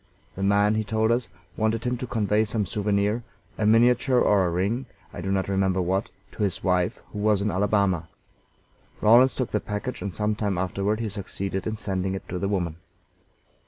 The man, he told us, wanted him to convey some souvenir a miniature or a ring, I do not remember what to his wife, who was in Alabama. Rawlins took the package, and some time afterward he succeeded in sending it to the woman.